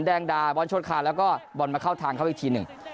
แดงดาบอลชดคาแล้วก็บอลมาเข้าทางเขาอีกทีหนึ่ง